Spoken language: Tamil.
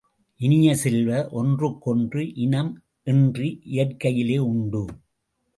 இனிய செல்வ, ஒன்றுக்கொன்று இனம் என்று இயற்கையிலே உண்டு.